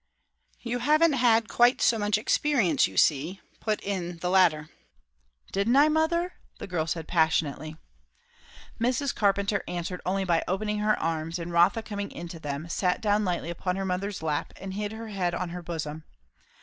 "You haven't had quite so much experience, you see," put in the latter. "Didn't I, mother?" the girl said passionately. Mrs. Carpenter answered only by opening her arms; and Rotha coming into them, sat down lightly upon her mother's lap and hid her head on her bosom.